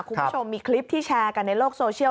คุณผู้ชมมีคลิปที่แชร์กันในโลกโซเชียล